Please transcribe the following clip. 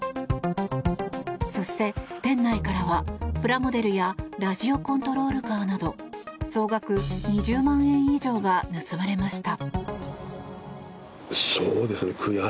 そして、店内からはプラモデルやラジオコントロールカーなど総額２０万円以上が盗まれました。